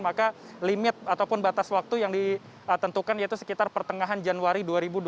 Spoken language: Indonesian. maka limit ataupun batas waktu yang ditentukan yaitu sekitar pertengahan januari dua ribu dua puluh